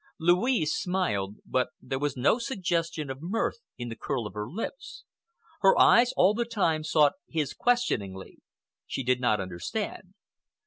Louise smiled, but there was no suggestion of mirth in the curl of her lips. Her eyes all the time sought his questioningly. She did not understand.